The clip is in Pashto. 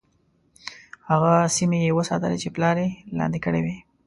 هغه سیمي یې وساتلې چې پلار یې لاندي کړې وې.